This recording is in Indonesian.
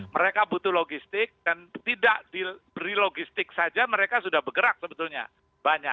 mereka butuh logistik dan tidak diberi logistik saja mereka sudah bergerak sebetulnya banyak